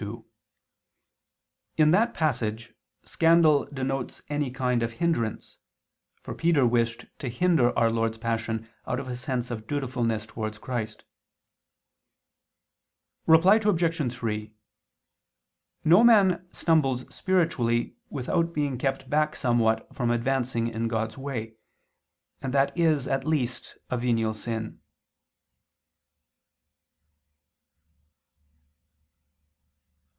2: In that passage scandal denotes any kind of hindrance: for Peter wished to hinder Our Lord's Passion out of a sense of dutifulness towards Christ. Reply Obj. 3: No man stumbles spiritually, without being kept back somewhat from advancing in God's way, and that is at least a venial sin.